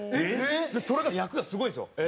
それが、役がすごいんですよ。